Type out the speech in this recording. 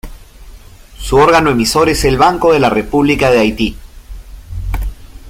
Su órgano emisor es el Banco de la República de Haití.